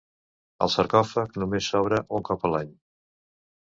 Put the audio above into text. El sarcòfag només s'obre un cop l'any.